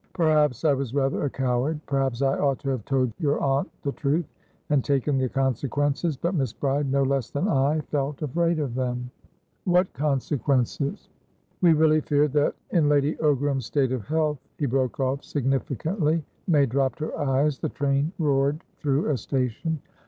Perhaps I was rather a coward. Perhaps I ought to have told your aunt the truth, and taken the consequences. But Miss Bride, no less than I, felt afraid of them." "What consequences?" "We really feared that, in Lady Ogram's state of health" He broke off significantly. May dropped her eyes. The train roared through a station.